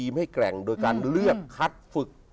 ยิ้มให้แกร่งโดยสามารถเลือกคัดฝึก